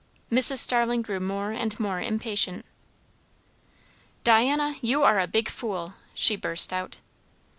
Starling grew more and more impatient. "Diana, you are a big fool!" she burst out.